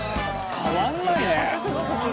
変わんない。